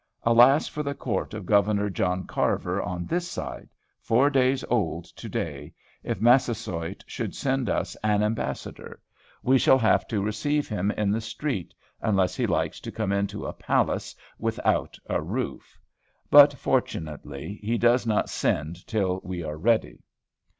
Alas for the Court of Governor John Carver on this side, four days old to day if Massasoit should send us an ambassador! We shall have to receive him in the street, unless he likes to come into a palace without a roof! But, fortunately, he does not send till we are ready!